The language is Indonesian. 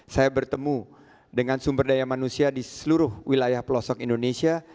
saya bertemu dengan sumber daya manusia di seluruh wilayah pelosok indonesia